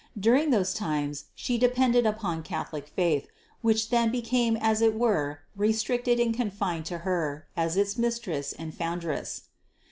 During those times She depended upon Catholic faith, which then became as it were restricted and confined to Her, as its Mistress and Foundress.